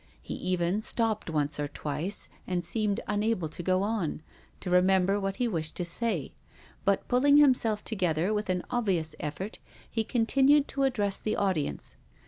He even stopped once or twice, and seemed unable to go on, to remember what he wished to say. But, pulling himself together with an obvious effort, he continued to address the audience.